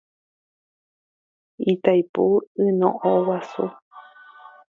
Itaipu yno'õguasu.